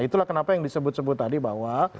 itulah kenapa yang disebut sebut tadi bahwa